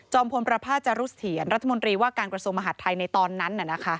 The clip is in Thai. จอมพลประพาทจารุศเถียนรัฐมนตรีว่าการกระโสมหาดไทยในตอนนั้นน่ะนะคะ